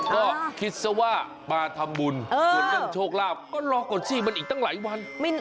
ก็คิดเสียว่ามาทำบุญควรยั่งโชคลาภก็รอก่อนสิมันอีกตั้งหลายวัน